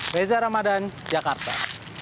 reza ramadan jakarta